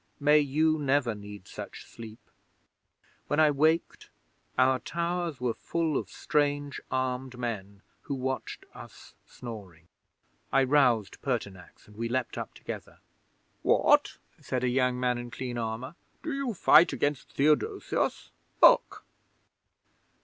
May you never need such sleep! When I waked our towers were full of strange, armed men, who watched us snoring. I roused Pertinax, and we leaped up together. '"What?" said a young man in clean armour. "Do you fight against Theodosius? Look!"